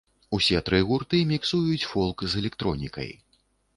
Усе тры гурты міксуюць фолк з электронікай.